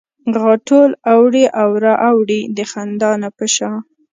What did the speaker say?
غاټول اوړي او را اوړي د خندا نه په شا